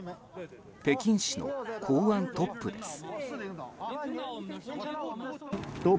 北京市の公安トップです。